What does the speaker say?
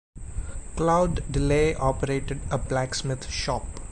Claude Delaye operated a blacksmith shop.